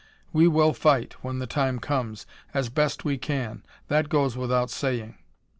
We will fight, when the time comes, as best we can; that goes without saying."